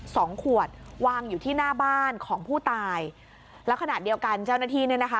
สองขวดวางอยู่ที่หน้าบ้านของผู้ตายแล้วขณะเดียวกันเจ้าหน้าที่เนี่ยนะคะ